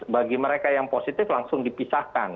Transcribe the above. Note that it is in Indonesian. bagi mereka yang positif langsung dipisahkan